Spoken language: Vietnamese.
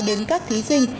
đến các thí sinh